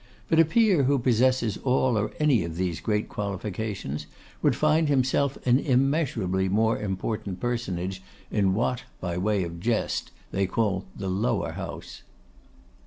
But a peer who possesses all or any of these great qualifications, would find himself an immeasurably more important personage in what, by way of jest, they call the Lower House.